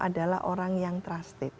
adalah orang yang trusted